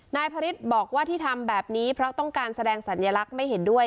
พระฤทธิ์บอกว่าที่ทำแบบนี้เพราะต้องการแสดงสัญลักษณ์ไม่เห็นด้วย